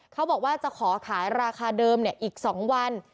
เขาบอกว่าจะขอขายราคาเดิมเนี่ยอีกสองวัน